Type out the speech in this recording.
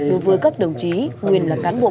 đối với các đồng chí nguyên là cán bộ